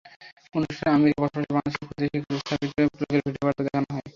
অনুষ্ঠানে আমেরিকায় বসবাসরত বাংলাদেশের খুদে শিক্ষার্থী সাবিত পুলকের ভিডিও বার্তা দেখানো হয়।